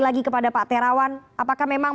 lagi kepada pak terawan apakah memang